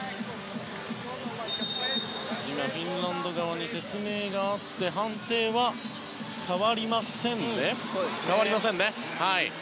フィンランド側に説明があって判定は変わりません。